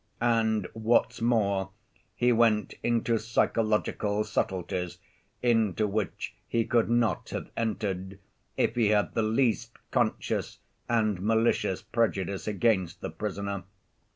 And, what's more, he went into psychological subtleties into which he could not have entered, if he had the least conscious and malicious prejudice against the prisoner.